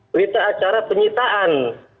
berita acara penyitaan